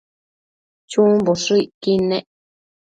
chumboshëcquid nec